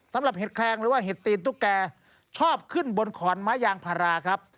เห็ดแคลงหรือว่าเห็ดตีนตุ๊กแกชอบขึ้นบนขอนไม้ยางพาราครับ